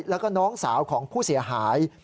แล้วก็น้องสาวของผู้เสียหาย